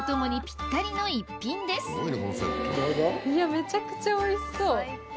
めちゃくちゃおいしそう。